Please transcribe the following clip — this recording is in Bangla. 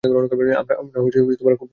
আমরা খুব খুশি, মিমি।